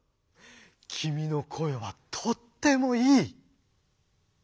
きみのこえはとってもいい」。